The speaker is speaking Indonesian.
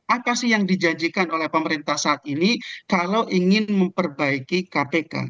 apa sih yang dijanjikan oleh pemerintah saat ini kalau ingin memperbaiki kpk